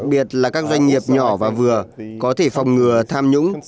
đặc biệt là các doanh nghiệp nhỏ và vừa có thể phòng ngừa tham nhũng